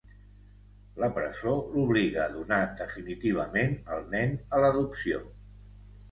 La presó l'obliga a donar definitivament el nen a l'adopció.